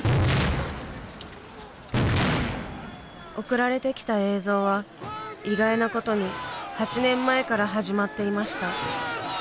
送られてきた映像は意外なことに８年前から始まっていました。